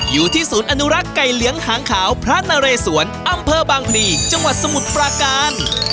อยู่ที่ศูนย์อนุรักษ์ไก่เลี้ยงหางขาวพระนเรสวนอำเภอบางพลีจังหวัดสมุทรปราการ